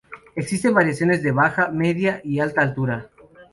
Existen variaciones de baja, media y alta altura.